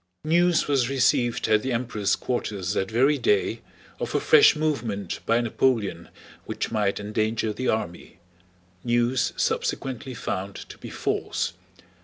News was received at the Emperor's quarters that very day of a fresh movement by Napoleon which might endanger the army—news subsequently found to be false.